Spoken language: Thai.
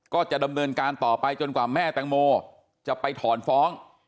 ก็จะดำเนินการต่อไปจนกว่าแม่แตงโมจะไปถอนฟ้อง